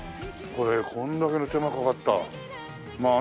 これこんだけの手間かかったまあ